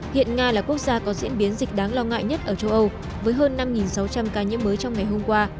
hiện nga là quốc gia có diễn biến dịch đáng lo ngại nhất ở châu âu với hơn năm sáu trăm linh ca nhiễm mới trong ngày hôm qua